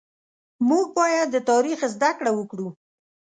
مونږ بايد د تاريخ زده کړه وکړو